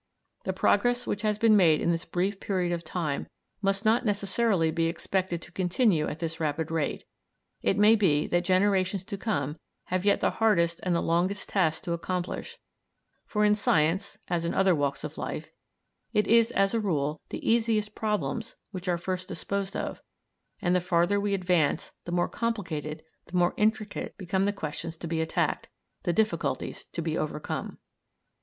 The progress which has been made in this brief period of time must not necessarily be expected to continue at this rapid rate; it may be that generations to come have yet the hardest and the longest tasks to accomplish; for in science, as in other walks of life, it is, as a rule, the easiest problems, which are first disposed of, and the farther we advance the more complicated, the more intricate become the questions to be attacked, the difficulties to be overcome.